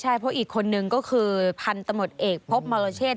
ใช่เพราะอีกคนนึงก็คือพันธมตเอกพบมรเชษ